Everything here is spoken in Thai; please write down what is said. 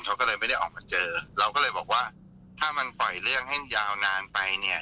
เขาก็เลยไม่ได้ออกมาเจอเราก็เลยบอกว่าถ้ามันปล่อยเรื่องให้ยาวนานไปเนี่ย